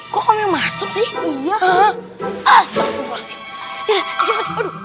kok masuk sih